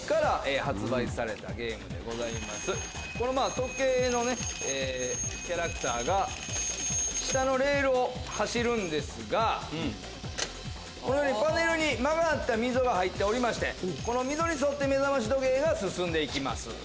時計のキャラクターが下のレールを走るんですがこのようにパネルに曲がった溝が入っておりましてこの溝に沿って目覚まし時計が進んで行きます。